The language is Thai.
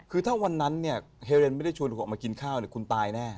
คือถ้าวันนั้นเนี่ยเฮเรนไม่ได้ชวนออกมากินข้าวคุณตายแน่